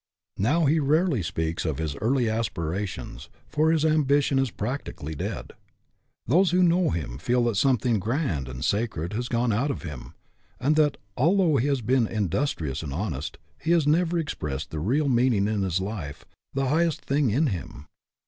Now he rarely speaks of his early aspirations, for his ambi tion is practically dead. Those who know him feel that something grand and sacred has gone out of him, and that, although he has been in dustrious and honest, he has never expressed the real meaning of his life, the highest thing in him.